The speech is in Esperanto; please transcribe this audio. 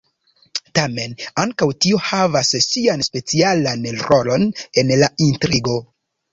Tamen, ankaŭ tio havas sian specialan rolon en la intrigo.